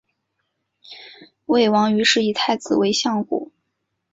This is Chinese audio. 魏王于是以太子为相国。